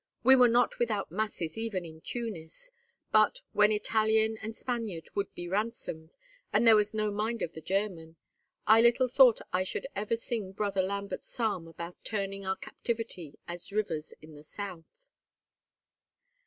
We were not without masses even in Tunis; but, when Italian and Spaniard would be ransomed, and there was no mind of the German, I little thought I should ever sing Brother Lambert's psalm about turning our captivity as rivers in the south."